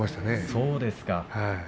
そうですか。